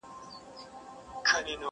حیوانان یې پلټل په سمه غره کي!.